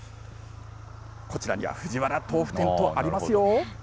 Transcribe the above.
こちらには、藤原とうふ店とありますよ。